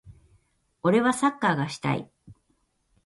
俺はサッカーがしたい。